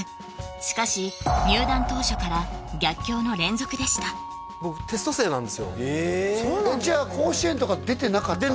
しかし入団当初から逆境の連続でしたじゃあ甲子園とか出てなかったんですか？